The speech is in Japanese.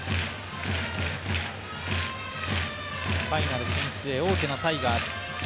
ファイナル進出へ王手のタイガース。